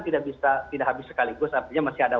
tidak habis sekaligus artinya masih ada